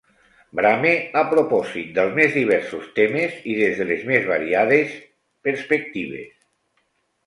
Brame a propòsit dels més diversos temes i des de les més variades perspectives.